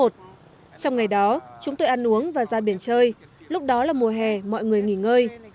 trong ngày đó chúng tôi ăn uống và ra biển chơi lúc đó là mùa hè mọi người nghỉ ngơi